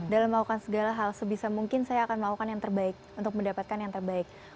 dalam melakukan segala hal sebisa mungkin saya akan melakukan yang terbaik untuk mendapatkan yang terbaik